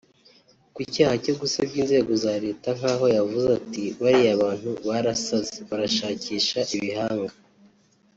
Ku cyaha cyo gusebya inzego za leta nk’aho yavuze ati “bariya bantu barasaze barashakisha ibihanga”